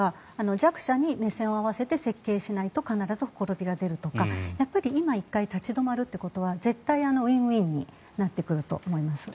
弱者に目線を合わせて設計しないと必ずほころびが出るとか今、１回立ち止まるということは絶対ウィンウィンになってくると思います。